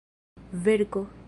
verko